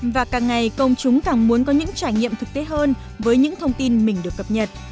và càng ngày công chúng càng muốn có những trải nghiệm thực tế hơn với những thông tin mình được cập nhật